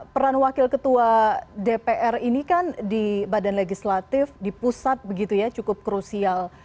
peran wakil ketua dpr ini kan di badan legislatif di pusat begitu ya cukup krusial